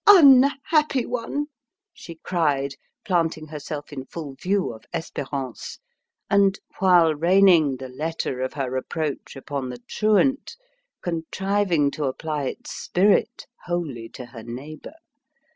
"Unhappy one!" she cried, planting herself in full view of Espérance, and, while raining the letter of her reproach upon the truant, contriving to apply its spirit wholly to her neighbour.